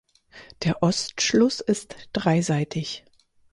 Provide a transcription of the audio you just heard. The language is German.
Der Ostschluss ist dreiseitig.